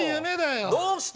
どうして？